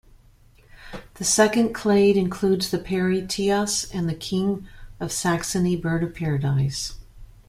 The second clade includes the parotias and the King of Saxony bird-of-paradise.